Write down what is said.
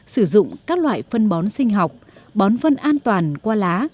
sử dụng các loại phân bón sinh học bón phân an toàn qua lá